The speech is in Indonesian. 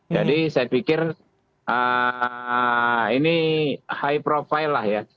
saya pikir ini high profile lah ya